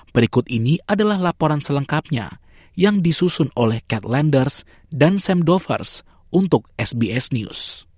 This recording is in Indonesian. berikut ini adalah laporan selengkapnya yang disusun oleh kat landers dan sam dovers untuk sbs news